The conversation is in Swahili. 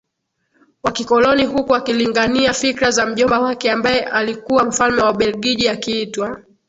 wa kikoloni huku akilingania fikra za mjomba wake ambaye alikuwa mfalme wa Ubelgiji akiitwa